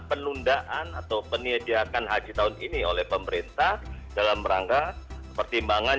penundaan atau penyediakan haji tahun ini oleh pemerintah dalam rangka pertimbangan